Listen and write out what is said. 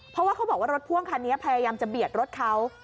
เพราะว่าเขาบอกว่ารถพ่วงคันนี้พยายามจะเบียดรถเขา